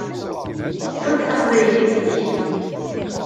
Ḥudd taqbaylit-ik.